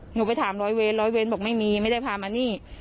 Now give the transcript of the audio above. หนูไปถามร้อยเว้นร้อยเว้นบอกไม่มีไม่ได้พามานี่